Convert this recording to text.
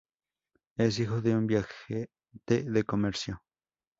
Es hijo de un viajante de comercio.